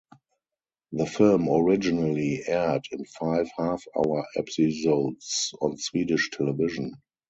The film originally aired in five half-hour episodes on Swedish television.